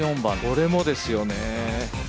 これもですよね。